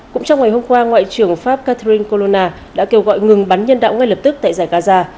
cũng trong ngày hôm qua ngoại trưởng pháp catherine colona đã kêu gọi ngừng bắn nhân đạo ngay lập tức tại giải gaza